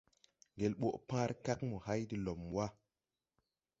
Ŋgel ɓɔʼ pããre kag mo hay de lɔm wà.